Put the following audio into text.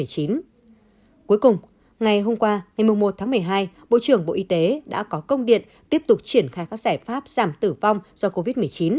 cuối cùng ngày hôm qua ngày một tháng một mươi hai bộ trưởng bộ y tế đã có công điện tiếp tục triển khai các giải pháp giảm tử vong do covid một mươi chín